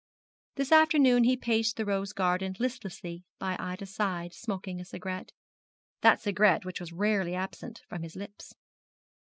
This afternoon he paced the rose garden listlessly by Ida's side, smoking a cigarette that cigarette which was rarely absent from his lips.